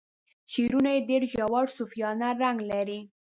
شعرونه یې ډیر ژور صوفیانه رنګ لري.